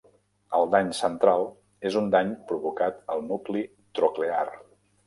El dany central és un dany provocat al nucli troclear.